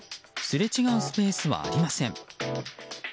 すれ違うスペースはありません。